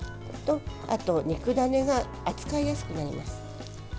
あと、肉ダネが扱いやすくなります。